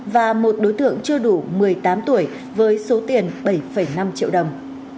và một đối tượng chưa đủ một mươi tám tuổi với số tiền bảy năm triệu đồng